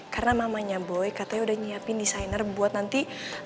karena mamanya boy katanya udah nyiapin designer buat nanti